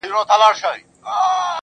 دادی اوس هم کومه، بيا کومه، بيا کومه.